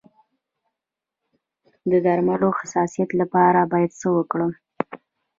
د درملو د حساسیت لپاره باید څه وکړم؟